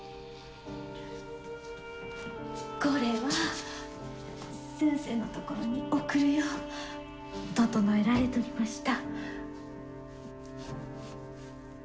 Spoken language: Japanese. これは先生のところに送るよう整えられとりました。